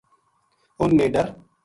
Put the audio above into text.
اُنھ نے ڈر